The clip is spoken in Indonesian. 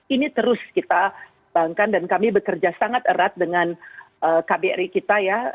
ini terus kita bangkan dan kami bekerja sangat erat dengan kbri kita ya